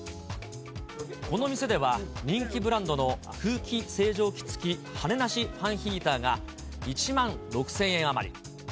この店では、人気ブランドの空気清浄機付き羽なしファンヒーターが１万６０００円余り。